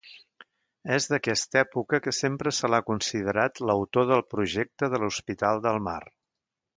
És d'aquesta època que sempre se l'ha considerat l'autor del projecte de l'Hospital del Mar.